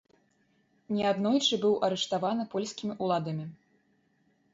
Неаднойчы быў арыштаваны польскімі ўладамі.